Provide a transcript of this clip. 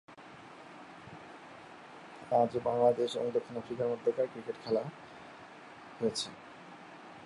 এছাড়া তিনি দৈনিক যুগান্তর সহ বিভিন্ন পত্র-পত্রিকায় দীর্ঘকাল সাহিত্য সম্পাদক সহ বিভিন্ন পদে কাজ করেছেন।